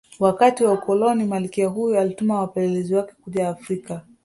Wakati wa Ukoloni Malkia huyu alituma wapelelezi wake kuja Afrika